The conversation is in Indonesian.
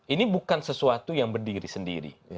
ini bukan sesuatu yang berdiri sendiri